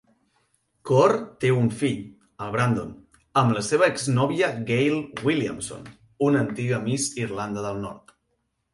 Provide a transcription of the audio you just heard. Corr té un fill, el Brandon, amb la seva exnòvia Gayle Williamson, una antiga Miss Irlanda del Nord.